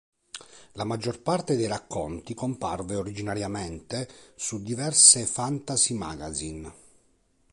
La maggior parte dei racconti comparve originariamente su diverse Fantasy magazine.